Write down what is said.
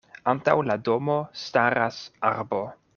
Antaŭ la domo staras arbo.